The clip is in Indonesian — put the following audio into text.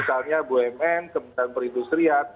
misalnya bumn kementerian perindustrian